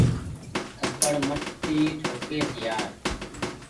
ٿپڙ مت ٺو ڪيس يآر۔